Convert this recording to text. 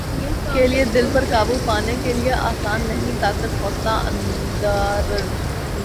کے لیے دل پر قابو پانے کیلئے آسان نہیں طاقت حوصلہ ندارد